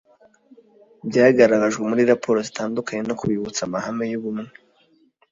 Byagaragajwe muri raporo zitandukanye no kubibutsa amahame y ubumwe